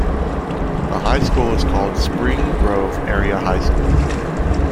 The high school is called Spring Grove Area High School.